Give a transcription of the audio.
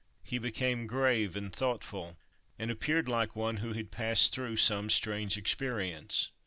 He became grave and thoughtful, and appeared like one who had passed through some strange experience.